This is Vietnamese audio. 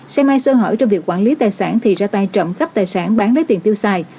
xe máy sơ hở trong việc quản lý tài sản thì ra tay trộm khắp tài sản bán lấy tiền tiêu xài